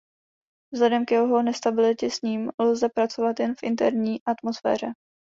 Vzhledem k jeho nestabilitě s ním lze pracovat jen v inertní atmosféře.